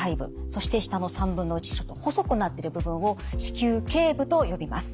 そして下の３分の１ちょっと細くなってる部分を子宮頸部と呼びます。